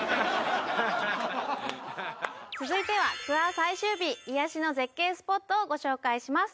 続いてはツアー最終日癒やしの絶景スポットをご紹介します